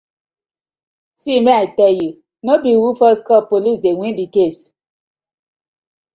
See mek I tell you be who first call Police dey win the case,